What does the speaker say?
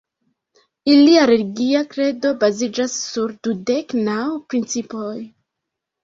Ilia religia kredo baziĝas sur "dudek naŭ principoj".